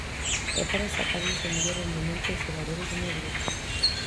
É para sacarlles o mellor rendemento aos xogadores do meu grupo.